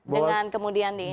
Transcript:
dengan kemudian di ini